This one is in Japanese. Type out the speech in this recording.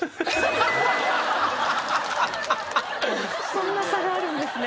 そんな差があるんですね。